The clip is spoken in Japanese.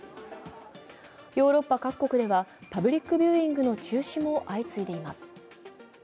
ヨーロッパ各国ではパブリックビューイングの中止も相次いでいます。